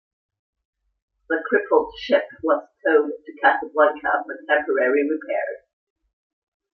The crippled ship was towed to Casablanca for temporary repairs.